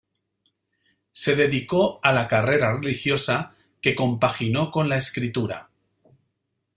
Se dedicó a la carrera religiosa, que compaginó con la escritura.